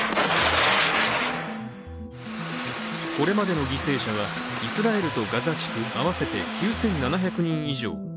これまでの犠牲者はイスラエルとガザ地区合わせて９７００人以上。